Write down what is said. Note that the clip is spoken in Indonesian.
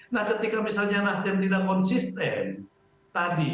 nah ketika misalnya nasdem tidak konsisten tadi